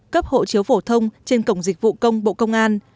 cấp hộ chiếu phổ thông trên cổng dịch vụ công bộ công an